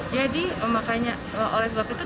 jadi makanya oleh sebab itu kita